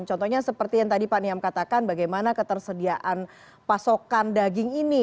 contohnya seperti yang tadi pak niam katakan bagaimana ketersediaan pasokan daging ini